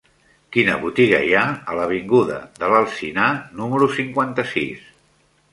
Quina botiga hi ha a l'avinguda de l'Alzinar número cinquanta-sis?